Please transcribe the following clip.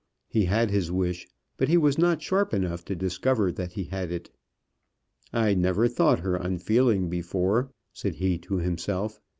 He had his wish; but he was not sharp enough to discover that he had it. "I never thought her unfeeling before," said he to himself.